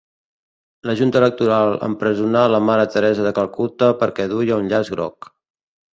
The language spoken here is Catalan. La junta electoral empresonà la mare Teresa de Calcuta perquè duia un llaç groc